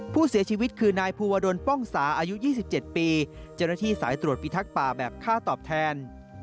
ผู้เสียชีวิตคือนายภูวดลป้องสาอายุ๒๗ปีเจ้าหน้าที่สายตรวจพิทักษ์ป่าแบบค่าตอบแทน